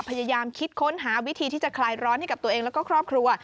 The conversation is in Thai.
พยายามคิดค้นหาวิธีที่จะคลายร้อนให้กับตัวเองแล้วก็ครอบครัว